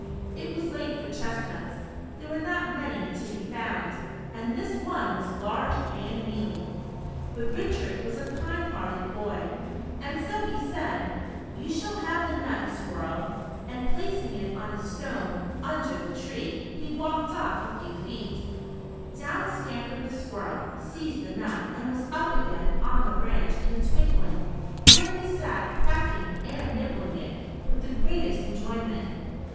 It was late for chestnuts, there were not many to be found, and this one was large and mealy. But Richard was a kind hearted boy, and so he said: "You shall have the nut, squirrel," and placing it on a stone under the 99 loo What the Squirrel Did for Richard. tree, he walked oft' a few feet. Down scampered the squirrel, seized the nut, and was up again on the branch in a twinkling, where he sat crack ing and nibbling it, with the greatest enjoyment.